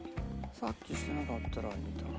さっきしてなかったら。